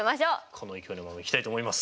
この勢いのままいきたいと思います。